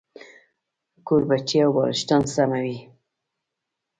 کوربچې او بالښتان سموي.